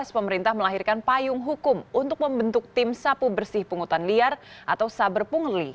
pemerintah melahirkan payung hukum untuk membentuk tim sapu bersih pungutan liar atau saber pungli